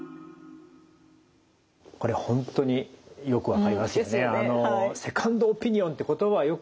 これ本当によく分かりますよね。